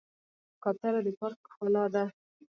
کوتره د پارک ښکلا ده.